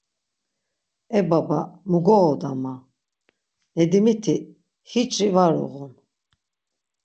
E baba mu goğoda, ma; Nedimiti hiç̌i var uğun.